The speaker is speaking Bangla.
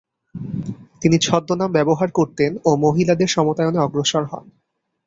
তিনি ছদ্মনাম ব্যবহার করতেন ও মহিলাদের সমতায়ণে অগ্রসর হন।